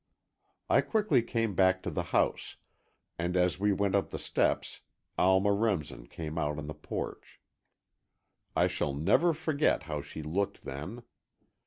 I quickly came back to the house, and as we went up the steps, Alma Remsen came out on the porch. I shall never forget how she looked then.